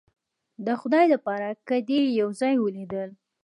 د خدای د پاره که دې یو ځای ولیدل